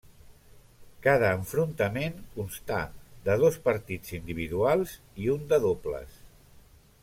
Cada enfrontament constà de dos partits individuals i un de dobles.